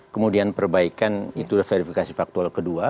kemudian perbaikan itu verifikasi faktual kedua